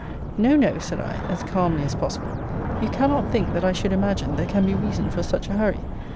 No, no, said I, as calmly as possible, you cannot think that I should imagine there can be reason for such a hurry.